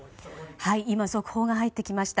今、速報が入ってきました。